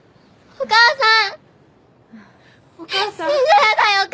お母さん。